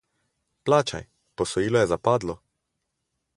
Plačaj, posojilo je zapadlo.